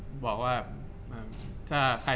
จากความไม่เข้าจันทร์ของผู้ใหญ่ของพ่อกับแม่